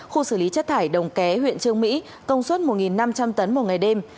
khu xử lý chất thải đồng ké huyện trương mỹ công suất một năm trăm linh tấn một ngày đêm